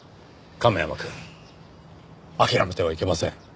亀山くん諦めてはいけません。